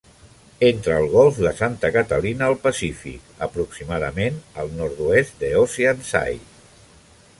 Entra al golf de Santa Catalina al Pacífic aproximadament al nord-oest de Oceanside.